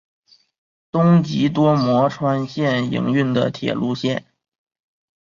东急多摩川线营运的铁路线。